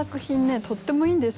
とってもいいんですよ。